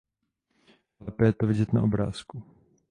Lépe je to vidět na obrázku.